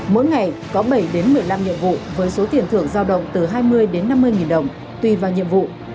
mỗi ngày có bảy đến một mươi năm nhiệm vụ với số tiền thưởng giao động từ hai mươi đến năm mươi nghìn đồng tùy vào nhiệm vụ